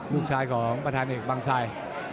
ลูกชายของประธานเอกบังไซด์